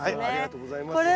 ありがとうございます。